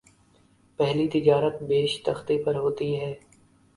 پہلی تجارت بیشتختے پر ہوتی ہے